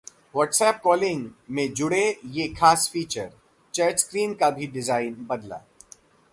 WhatsApp calling में जुड़े ये खास फीचर, चैट स्क्रीन का भी डिजाइन बदला